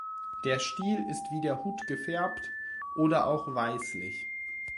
Der Stiel ist wie der Hut gefärbt, oder auch weißlich.